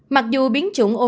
mặc dù biến chủng omicron